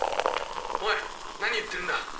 おい何言ってるんだ。